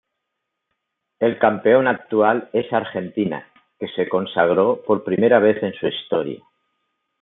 El campeón actual es Argentina que se consagró por primera vez en su historia.